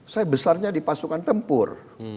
saya besarnya di pasukan tempur